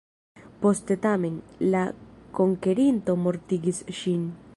Poste tamen, la konkerinto mortigis ŝin.